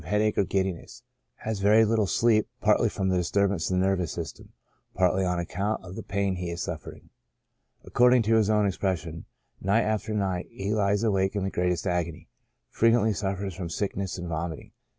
6^ headache or giddiness ; has very little sleep, partly from the disturbance of the nervous system, partly on account of the pain he is suffering ; according to his own expression, night after night he lies awake in the greatest agony. Frequently suffers from sickness and vomiting.